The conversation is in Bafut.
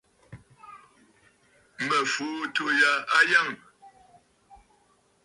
Mǝ̀ fùu àtû yâ natt.